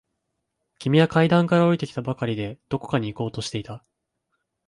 君は階段から下りてきたばかりで、どこかに行こうとしていた。